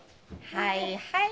はいはい。